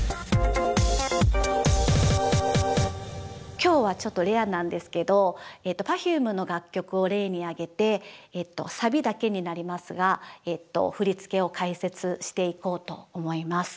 今日はちょっとレアなんですけどＰｅｒｆｕｍｅの楽曲を例に挙げてサビだけになりますが振付を解説していこうと思います。